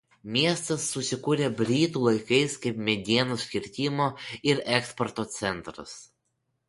Miestas susikūrė britų laikais kaip medienos kirtimo ir eksporto centras.